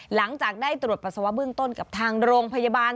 หลังจากได้ตรวจปัสสาวะเบื้องต้นกับทางโรงพยาบาล